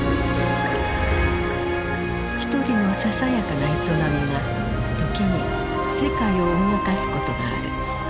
一人のささやかな営みが時に世界を動かすことがある。